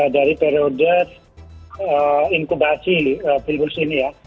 dari periode inkubasi virus ini ya